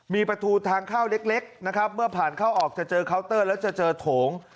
มีประตูทางเข้าเล็กนะครับเมื่อผ่านเข้าออกจะเจอเคาน์เตอร์แล้วจะเจอโถง